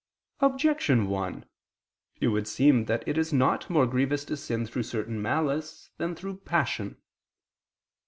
Objection 1: It would seem that it is not more grievous to sin through certain malice than through passion.